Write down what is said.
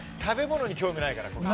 食べ物に興味ないから。